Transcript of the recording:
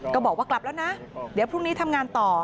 ก็บอกว่ากลับแล้วนะเดี๋ยวพรุ่งนี้ทำงานต่อ